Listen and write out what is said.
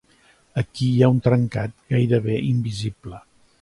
Aquí hi ha un trencat gairebé invisible.